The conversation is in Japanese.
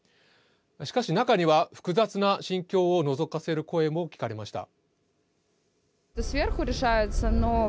しかし中には、複雑な心境をのぞかせる声も聞かれました。